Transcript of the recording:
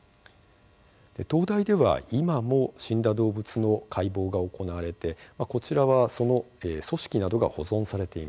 東大では今も死んだ動物の解剖が行われてこちらはその組織などが保存されています。